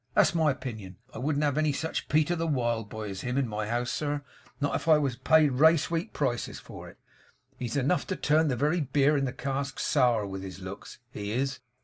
That's my opinion. I wouldn't have any such Peter the Wild Boy as him in my house, sir, not if I was paid race week prices for it. He's enough to turn the very beer in the casks sour with his looks; he is!